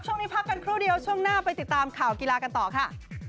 ช่วงนี้พักกันครู่เดียวช่วงหน้าไปติดตามข่าวกีฬากันต่อค่ะ